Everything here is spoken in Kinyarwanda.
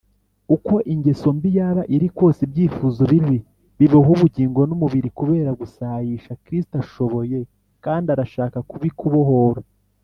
. Uko ingeso mbi yaba iri kose, ibyifuzo bibi biboha ubugingo n’umubiri kubera gusayisha, Kristo ashoboye kandi arashaka kubikubohora